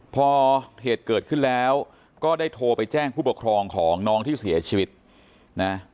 พอเหตุเกิดขึ้นแล้วก็ได้โทรไปแจ้งผู้ปกครองของน้องที่เสียชีวิตนะ